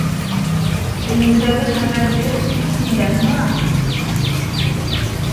Өйөндәге хәбәрҙе күршеңдән һора.